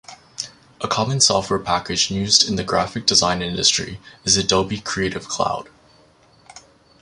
A common software package used in the graphic design industry is Adobe Creative Cloud.